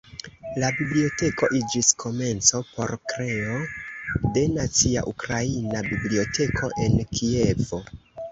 La biblioteko iĝis komenco por kreo de Nacia Ukraina Biblioteko en Kievo.